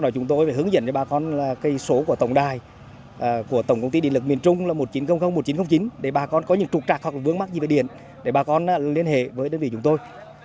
chúng tôi phải hướng dẫn cho bà con số của tổng đài của tổng công ty điện lực miền trung là một chín không không một chín không chín để bà con có những trục trạc hoặc vướng mắt gì về điện để bà con liên hệ với đơn vị chúng tôi